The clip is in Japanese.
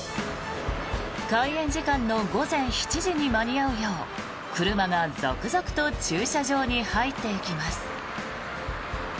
開園時間の午前７時に間に合うよう車が続々と駐車場に入っていきます。